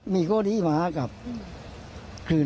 ภาพเป็นร่าวเลย